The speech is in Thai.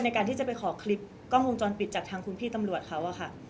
ในการที่จะไปขอคลิปกล้องวงจรปิดจากทางคุณพี่ตำรวจเขาอะค่ะ